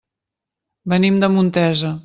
Venim de Montesa.